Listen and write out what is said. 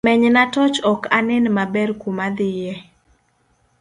Menyna torch ok anen maber kuma adhie